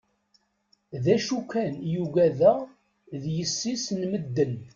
D acu kan i yugadeɣ, d yessi-s n medden.